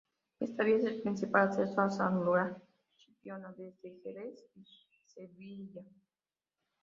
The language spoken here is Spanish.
Esta vía es el principal acceso a Sanlúcar y Chipiona desde Jerez y Sevilla.